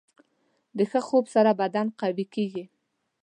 د ښه خوب سره بدن قوي کېږي.